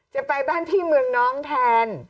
จะไปบ้านที่เมืองน้องแทน